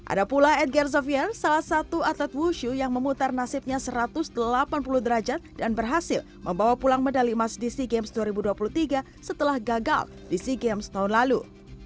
ada pula edgar zovian salah satu atlet wushu yang memutar nasibnya satu ratus delapan puluh derajat dan berhasil membawa pulang medali emas di sea games dua ribu dua puluh tiga setelah gagal di sea games tahun lalu